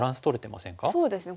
そうですね